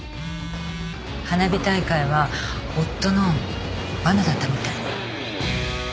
花火大会は夫のわなだったみたい。